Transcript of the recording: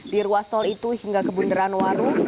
di ruas tol itu hingga kebunderan waru